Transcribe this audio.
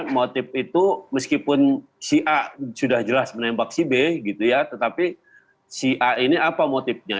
motif itu meskipun si a sudah jelas menembak si b gitu ya tetapi si a ini apa motifnya